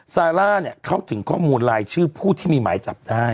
ซาร่าเข้าถึงข้อนมูลลายชื่อของพูดที่มีหมายจับได้